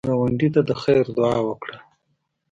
ګاونډي ته د خیر دعا وکړه